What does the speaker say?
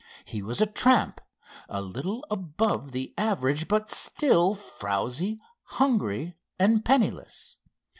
He was a tramp, a little above the average, but still frowsy, hungry and penniless.